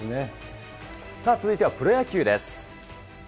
続いてはプロ野球です。